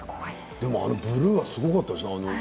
でも、あのブルーはすごかったですね。